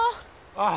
ああ！